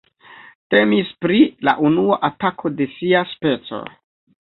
Temis pri la unua atako de sia speco.